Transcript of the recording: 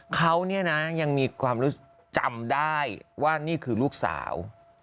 เขาเนี่ยนะยังมีความรู้สึกจำได้ว่านี่คือลูกสาว